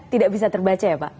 tidak bisa terbaca ya pak